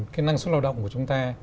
cái năng suất lao động của chúng ta